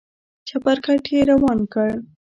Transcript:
چپرکټ يې روان کړ.